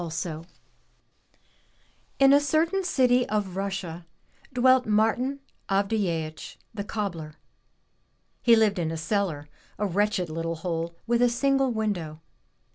Tolstoy N a certain city of Russia dwelt Martin Avdyeeich, the cobbler. He lived in a cellar, a wretched little hole with a single window.